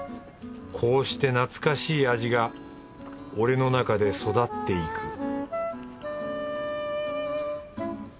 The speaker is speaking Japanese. こうして懐かしい味が俺の中で育っていく